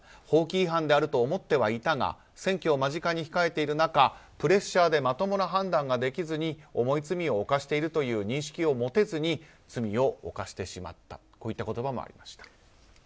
法規違反であると思ってはいたが選挙を間近に控えている中プレッシャーでまともな判断ができずに重い罪を犯しているという認識を持てずに罪を犯してしまったこういった言葉もありました。